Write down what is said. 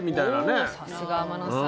おおさすが天野さん。